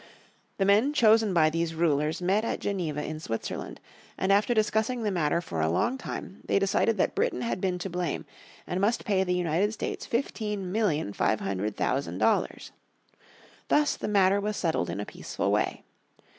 The men chosen by these rulers met at Geneva in Switzerland, and after discussing the matter for a long time they decided that Britain had been to blame, and must pay the United States fifteen million five hundred thousand dollars. Thus the matter was settled in a peaceful way.